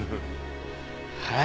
はい。